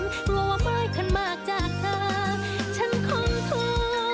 หรือว่าเมื่อยคันมากจากเธอฉันคงทุกข์ท้อน